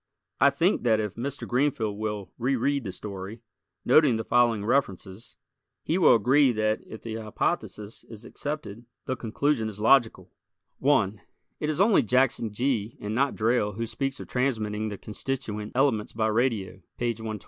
I think that if Mr. Greenfield will reread the story, noting the following references, he will agree that if the hypothesis is accepted the conclusion is logical: 1 It is only Jackson Gee and not Drayle who speaks of transmitting the constituent elements by radio (page 120).